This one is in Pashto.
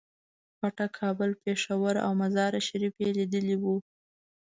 کوټه، کابل، پېښور او مزار شریف یې لیدلي وو.